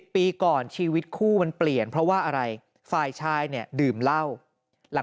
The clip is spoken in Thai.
ปีก่อนชีวิตคู่มันเปลี่ยนเพราะว่าอะไรฝ่ายชายเนี่ยดื่มเหล้าหลัง